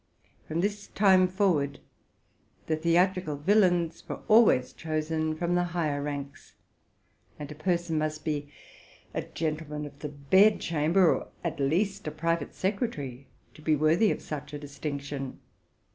From this time forward the theatrical villains were always chosen from the higher ranks; and a person had to be a gentleman of the bedchamber, or at least a private secretary, to be worthy of such a distinction.